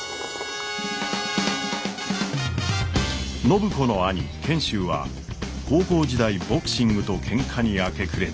暢子の兄賢秀は高校時代ボクシングとケンカに明け暮れて中退。